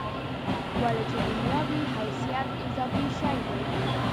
ولې چې دنیا وي حیثیت اضافي شی دی.